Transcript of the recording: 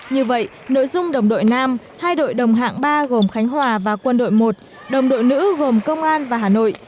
như vậy nội dung đồng đội nam hai đội đồng hạng ba gồm khánh hòa và quân đội một đồng đội nữ gồm công an và hà nội